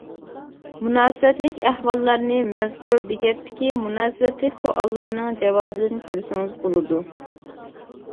مۇناسىۋەتلىك ئەھۋاللارنى مەزكۇر بېكەتتىكى مۇناسىۋەتلىك سوئاللارنىڭ جاۋابىدىن كۆرسىڭىز بولىدۇ.